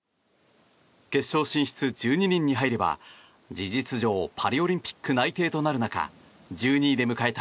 決勝進出１２人に入れば、事実上パリオリンピック内定となる中１２位で迎えた